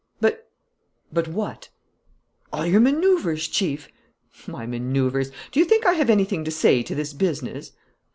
"But " "But what?" "All your maneuvers, Chief." "My maneuvers! Do you think I have anything to say to this business?"